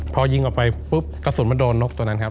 พอยิงออกไปปุ๊บกระสุนมันโดนนกตัวนั้นครับ